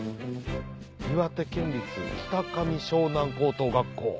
「岩手県立北上翔南高等学校」。